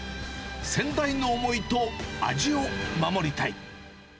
先代の思いと味を守りたい。